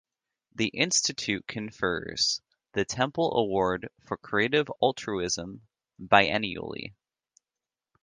The institute confers the Temple Award for Creative Altruism, biennially.